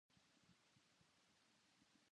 家族と話しました。